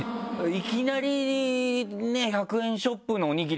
いきなりね１００円ショップのおにぎり